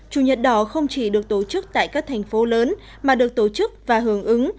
chủ nhật đỏ không chỉ được tổ chức tại các thành phố lớn mà được tổ chức và hưởng ứng